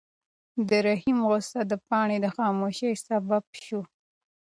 د رحیم غوسه د پاڼې د خاموشۍ سبب شوه.